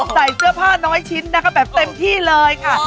ใส่เสื้อผ้าน้อยชิ้นนะคะแบบเต็มที่เลยค่ะ